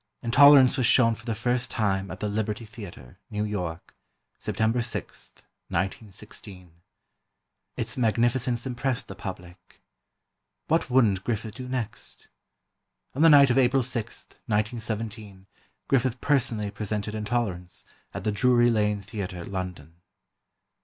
"Intolerance" was shown for the first time at the Liberty Theatre, New York, September 6, 1916. Its magnificence impressed the public. What wouldn't Griffith do next? On the night of April 6, 1917, Griffith personally presented "Intolerance," at the Drury Lane Theatre, London.